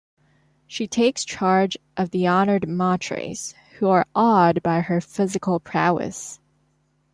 She takes charge of the Honored Matres, who are awed by her physical prowess.